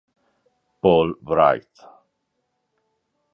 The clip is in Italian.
Paul Wright